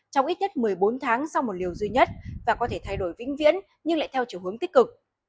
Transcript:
trong ít nhất một mươi bốn tháng sau một liều duy nhất và có thể thay đổi vĩnh viễn nhưng lại theo chiều hướng tích cực